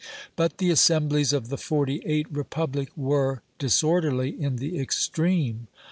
But the assemblies of the '48 Republic were disorderly in the extreme.